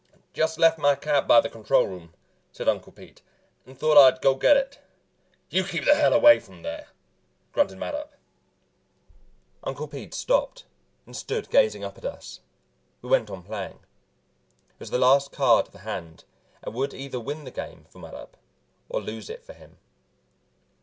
"Just left my cap by the control room," said Uncle Pete, "and thought I'd go get it." "You keep the hell away from there," grunted Mattup. Uncle Pete stopped and stood gazing up at us. We went on playing. It was the last card of the hand, and would either win the game for Mattup or lose it for him.